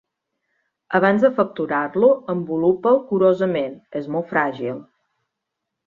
Abans de facturar-lo, envolupa'l curosament: és molt fràgil.